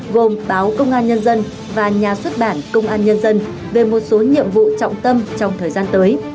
gồm báo công an nhân dân và nhà xuất bản công an nhân dân về một số nhiệm vụ trọng tâm trong thời gian tới